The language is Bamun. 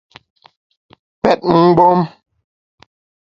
Pèt mgbom !